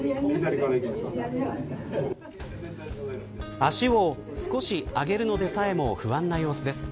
足を少し上げるのでさえも不安な様子です。